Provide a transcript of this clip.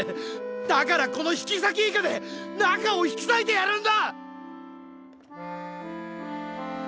だからこの引きさきイカで仲を引きさいてやるんだ！